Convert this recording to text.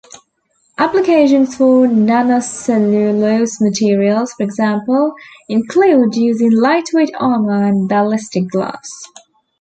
Applications for nanocellulose materials, for example, include use in lightweight armor and ballistic glass.